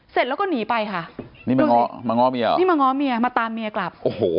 เสร็จแล้วก็หนีไปค่ะนี่มาง้อเมียมาตามเมียกลับ